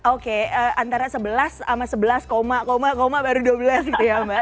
oke antara sebelas sama sebelas baru dua belas gitu ya mbak